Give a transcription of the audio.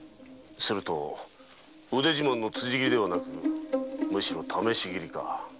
では腕自慢の辻斬りではなくむしろ試し斬りか。